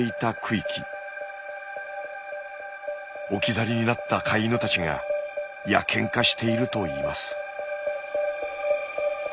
置き去りになった飼い犬たちが野犬化しているといいます。